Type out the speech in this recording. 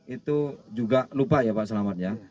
itu juga lupa ya pak selamat ya